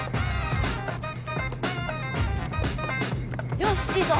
よしいいぞ！